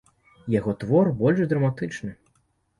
Яго твор больш драматычны.